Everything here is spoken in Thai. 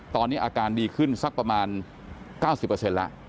ตอนนี้อาการดีขึ้นสักประมาณ๙๐แล้ว